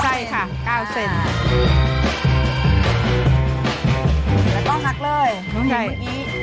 แล้วก็ลักเลยลงทีเมื่อกี้